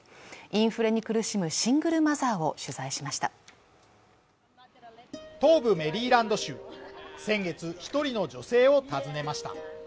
インフレに苦しむシングルマザーを取材しました東部メリーランド州先月一人の女性を訪ねました